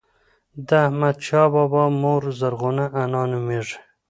د احمدشاه بابا مور زرغونه انا نوميږي.